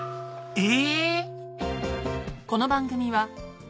え⁉